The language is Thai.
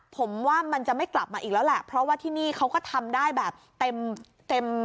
ผมว่ามันจะไม่กลับมาอีกแล้วแหละเพราะว่าที่นี่เขาก็ทำได้แบบเต็มเต็ม